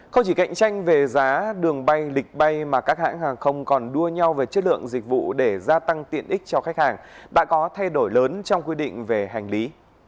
không chỉ cạnh tranh về giá đường bay lịch bay mà các hãng hàng không còn đua nhau về chất lượng dịch vụ để gia tăng tiện ích cho khách hàng đã có thay đổi lớn trong quy định về hành lý